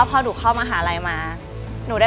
เป้าหมายก็คืออยากจะเป็นนางงาม